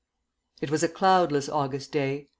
..... It was a cloudless August day.